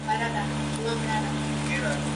دا شکلونه دي.